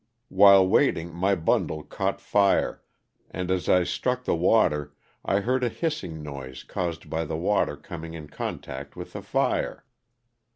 While waiting, my bundle caught fire, and, as I struck the water, I heard a hissing noise caused by the water com ing in contact with the fire.